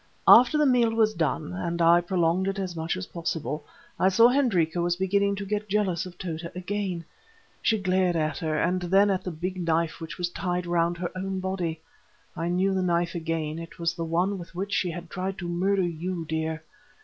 "After the meal was done—and I prolonged it as much as possible—I saw Hendrika was beginning to get jealous of Tota again. She glared at her and then at the big knife which was tied round her own body. I knew the knife again, it was the one with which she had tried to murder you, dear.